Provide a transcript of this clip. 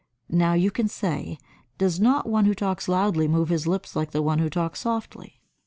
Now you can say, Does not one who talks loudly move his lips like one who talks softly?